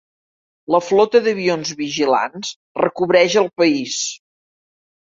La flota d'avions vigilants recobreix el país.